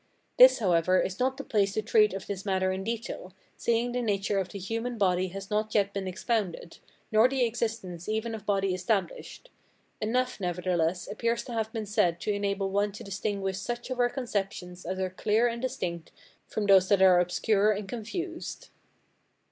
This, however, is not the place to treat of this matter in detail, seeing the nature of the human body has not yet been expounded, nor the existence even of body established; enough, nevertheless, appears to have been said to enable one to distinguish such of our conceptions as are clear and distinct from those that are obscure and confused.